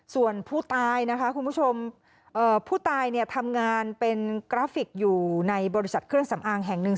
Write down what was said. ส่วนผู้ตายนะคะคุณผู้ชมผู้ตายเนี่ยทำงานเป็นกราฟิกอยู่ในบริษัทเครื่องสำอางแห่งหนึ่ง